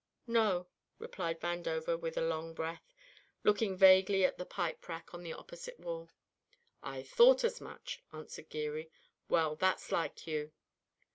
"No," replied Vandover with a long breath, looking vaguely at the pipe rack on the opposite wall. "I thought as much," answered Geary. "Well, that's like you."